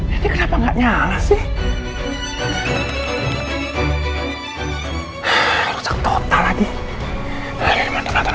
mudah mudahan ada petunjuk siapa pemenuh roy yang sebenarnya